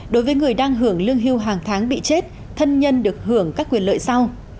đối với người đang hưởng lương hưu hàng tháng bị chết thân nhân được hưởng các quyền lợi sau